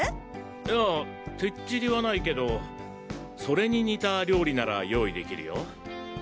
いやてっちりはないけどそれに似た料理なら用意できるよ。